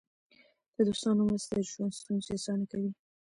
د دوستانو مرسته د ژوند ستونزې اسانه کوي.